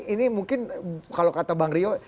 ini mungkin kalau kata bang rio